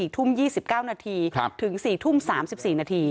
๔ทุ่ม๒๙นาทีถึง๔ทุ่ม๓๔นาที